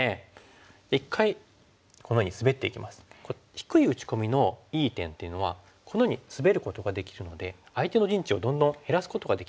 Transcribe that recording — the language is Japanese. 低い打ち込みのいい点っていうのはこのようにスベることができるので相手の陣地をどんどん減らすことができるんですね。